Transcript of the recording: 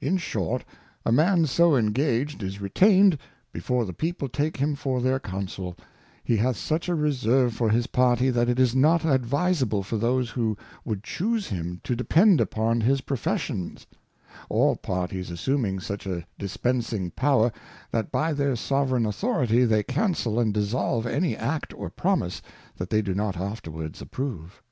In short, a man so engaged is retained before the people take him for their Council ; he hath such a Reserve for his Party, that it is not adviseable for those who would chuse him, to depend upon his Professions ; all Parties assuming such a Dispensing Power, that by their Sovereign Authority they cancel and dissolve any Act or Promise that they do not afterwards approve.